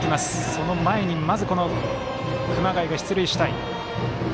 その前に、まず熊谷が出塁したい。